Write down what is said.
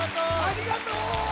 ありがとう。